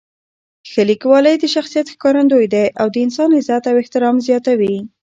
ښه لیکوالی د شخصیت ښکارندوی دی او د انسان عزت او احترام زیاتوي.